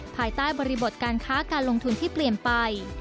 ภายใต้บริบทการค้าการลงทุนที่เปลี่ยนไป